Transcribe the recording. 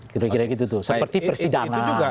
kira kira gitu tuh seperti persidangan